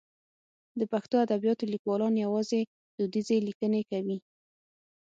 د پښتو ادبیاتو لیکوالان یوازې دودیزې لیکنې کوي.